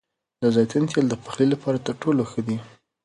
د زیتون تېل د پخلي لپاره تر ټولو ښه دي.